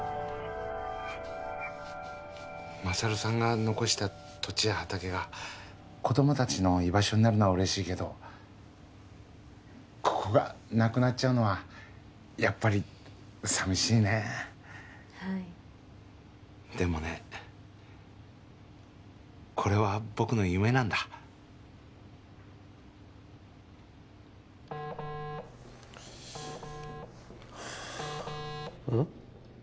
勝さんが残した土地や畑が子ども達の居場所になるのは嬉しいけどここがなくなっちゃうのはやっぱり寂しいねはいでもねこれは僕の夢なんだうん？